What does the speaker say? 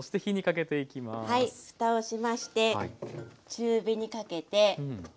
ふたをしまして中火にかけて。